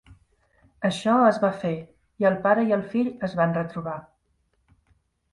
Això es va fer i el pare i el fill es van retrobar.